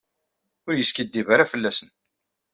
Ur yeskiddib ara fell-asen.